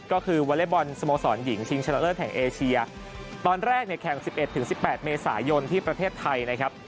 ก็คือวาเลบอนสโมสรหญิงชิงชนะเลิศแห่งเอเชียตอนแรกเนี้ยแข่งสิบเอ็ดถึงสิบแปดเมษายนที่ประเทศไทยนะครับ